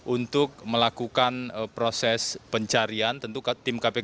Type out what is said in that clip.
untuk membuat proses pencarian yang diperlukan oleh tim kpk